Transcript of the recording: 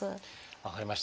分かりました。